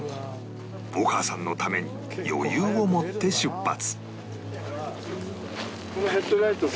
お母さんのために余裕を持って出発